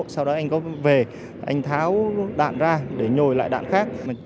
sau đó anh có về anh tháo đạn ra để nhồi lại đạn khác